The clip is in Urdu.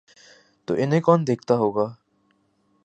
تو انہیں کون دیکھتا ہو گا؟